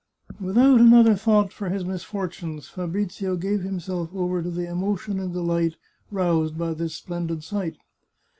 Without another thought for his misfortunes, Fabrizio gave himself over to the emotion and delight roused by this splendid sight.